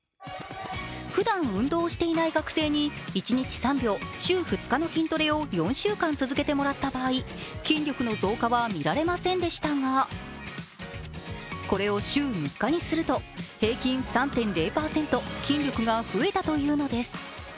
ふだん運動をしていない学生に１日３秒、週２日の筋トレを４週間続けてもらった場合、筋力の増加は見られませんでしたがこれを週３日にすると、平均３．０％筋力が増えたというのです。